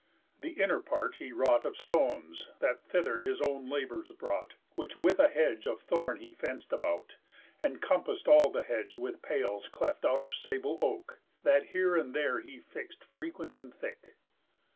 The inner part he wrought Of stones, that thither his own labours brought, Which with an hedge of thorn he fenc'd about, And compass'd all the hedge with pales cleft out Of sable oak, that here and there he fix'd Frequent and thick.